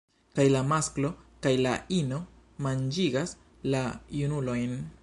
Kaj la masklo kaj la ino manĝigas la junulojn.